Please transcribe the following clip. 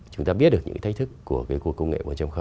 chúng ta biết được những cái thách thức của cái cuộc công nghệ một